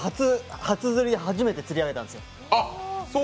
初釣り、初めて釣り上げたんですよ。